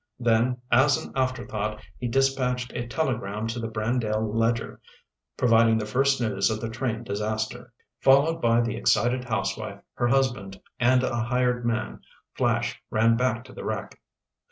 Then, as an afterthought, he dispatched a telegram to the Brandale Ledger, providing the first news of the train disaster. Followed by the excited housewife, her husband, and a hired man, Flash ran back to the wreck.